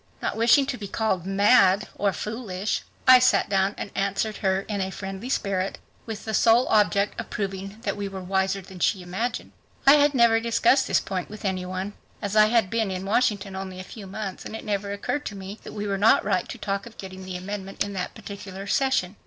Not wishing to be called "mad" or "foolish" I sat down and answered her in a friendly spirit, with the sole object of proving that we were wiser than she imagined. I had never discussed this point with anybody, as I had been in Washington only a few months and it had never occurred to me that we were not right to talk of getting the amendment in that particular session.